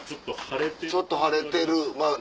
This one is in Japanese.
ちょっと晴れてる。